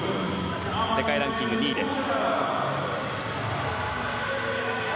世界ランキング２位です。